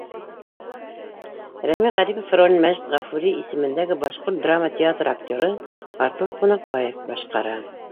Рәми Ғарипов ролен Мәжит Ғафури исемендәге Башҡорт драма театры актеры Артур Ҡунаҡбаев башҡара.